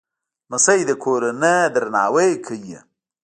لمسی د کورنۍ درناوی کوي.